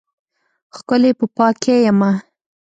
ښکلی په پاکۍ یمه